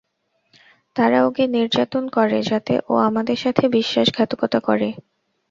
তারা ওকে নির্যাতন করে যাতে ও আমাদের সাথে বিশ্বাসঘাতকতা করে।